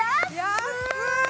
安い！